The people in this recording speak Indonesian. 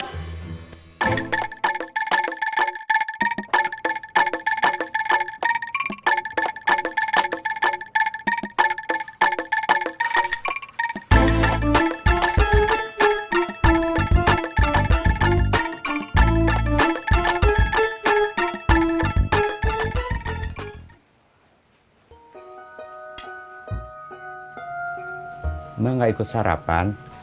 kamu mau ikut sarapan